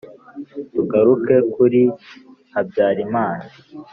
tugaruke kuri habyarimana.